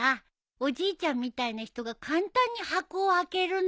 おじいちゃんみたいな人が簡単に箱を開けるの。